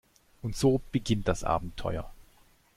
Und so beginnt das Abenteuer.